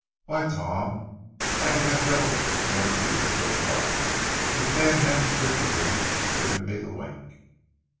"Why, Tom, I'd have held those mail thieves until dark, if Dan hadn't drifted in and given me the wink.